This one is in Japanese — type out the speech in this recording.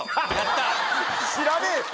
知らねえよ！